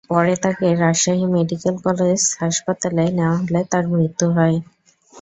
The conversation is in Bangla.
পরে তাঁকে রাজশাহী মেডিকেল কলেজ হাসপাতালে নেওয়া হলে তাঁর মৃত্যু হয়।